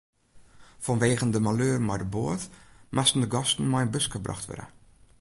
Fanwegen de maleur mei de boat moasten de gasten mei in buske brocht wurde.